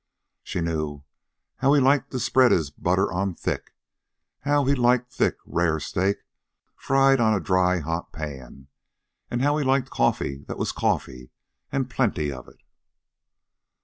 She knew how he liked to spread his butter on thick, how he liked thick, rare steak fried on a dry hot pan, and how he liked coffee that was coffee and plenty of it.